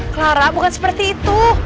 clara bukan seperti itu